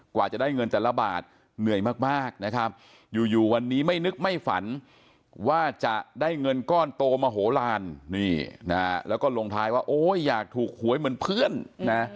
กว่าจะได้เงินแต่ละบาทเหนื่อยมากนะครับอยู่อยู่วันนี้ไม่นึกไม่ฝันว่าจะได้เงินก้อนโตมโหลานนี่นะฮะแล้วก็ลงท้ายว่าโอ้ยอยากถูกหวยเหมือนเพื่อนนะ